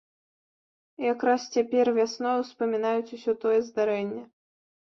Якраз цяпер, вясною, успамінаюць усё тое здарэнне.